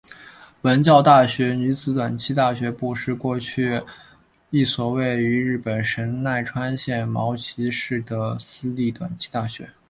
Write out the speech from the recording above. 文教大学女子短期大学部是过去一所位于日本神奈川县茅崎市的私立短期大学。